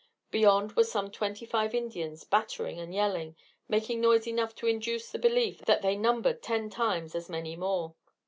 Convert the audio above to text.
Beyond were some twenty five Indians battering and yelling, making noise enough to induce the belief that they numbered ten times as many more.